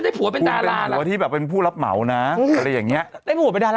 นี่พี่หนุ่มพูดได้เรื่องสมมุตร